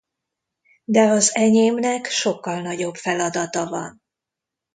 De az enyémnek sokkal nagyobb feladata van.